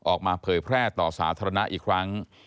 เผยแพร่ต่อสาธารณะอีกครั้ง